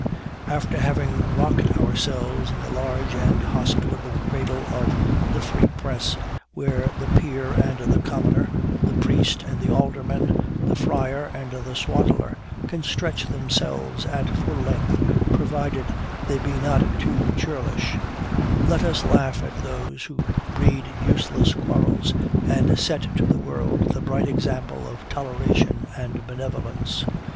After having rocked ourselves in the large and hospitable cradle of the Free Press, where the peer and the commoner, the priest and the alderman, the friar and the swaddler, can stretch themselves at full length, provided they be not too churlish, let us laugh at those who breed useless quarrels, and set to the world the bright example of toleration and benevolence.